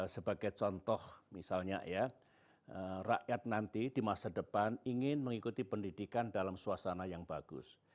sebagai contoh misalnya ya rakyat nanti di masa depan ingin mengikuti pendidikan dalam suasana yang bagus